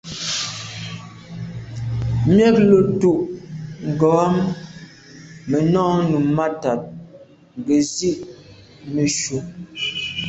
Miaglo tù’ ngom am me nô num mata nke nzi neshu.